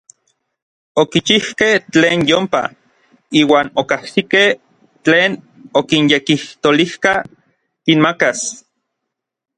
Okichijkej tlen yompa, iuan okajsikej tlen okinyekijtolijka kinmakas.